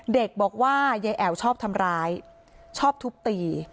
เด็กบอกว่ายายแอ๋วชอบทำร้ายชอบทุบตี